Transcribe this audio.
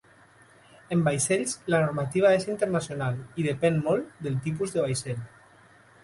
En vaixells, la normativa és internacional, i depèn molt del tipus de vaixell.